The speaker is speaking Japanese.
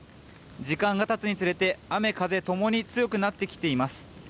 時間がたつにつれて雨風ともに強くなってきています。